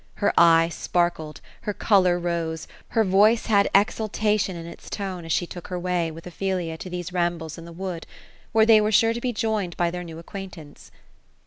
Her eye sparkled, her oolor rose, her voice had exul tation in its tone, as she took her way, with Ophelia, to these rambles in the wood — where they were sure to be joined by their new ac *' quaintanco.